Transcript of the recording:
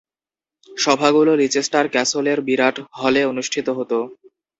সভাগুলো Leicester ক্যাসলের বিরাট হলে অনুষ্ঠিত হতো।